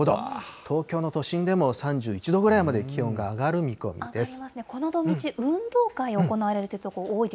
東京の都心でも３１度ぐらいまで気温が上がる見込みです。